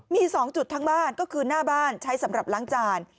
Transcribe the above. มี๒จุดทั้งบ้านก็คือหน้าบ้านใช้สำหรับล้างจาน